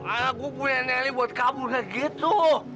anak gue punya nyari buat kabur gak gitu